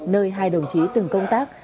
nơi hai đồng chí từng công tác